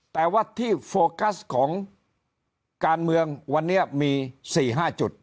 แต่ว่าที่โฟกัสของการเมืองวันนี้มี๔๕จุด